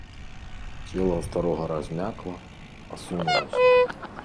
Цела старога размякла, асунулася.